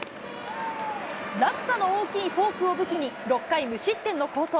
落差の大きいフォークを武器に、６回無失点の好投。